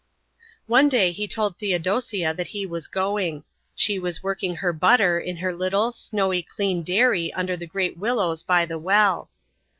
One day he told Theodosia that he was going. She was working her butter in her little, snowy clean dairy under the great willows by the well.